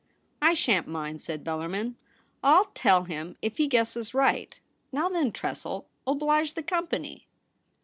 ' I shan't mind,' said Bellarmin. ' I'll tell him if he guesses right. Now then, Tressel. Oblige the company.'